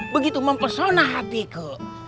begitu mempersona hatiku